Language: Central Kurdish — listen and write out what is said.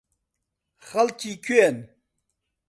خەڵکی کوێن؟